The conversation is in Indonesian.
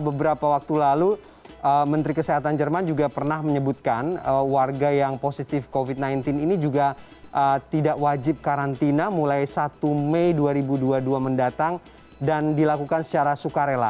beberapa waktu lalu menteri kesehatan jerman juga pernah menyebutkan warga yang positif covid sembilan belas ini juga tidak wajib karantina mulai satu mei dua ribu dua puluh dua mendatang dan dilakukan secara sukarela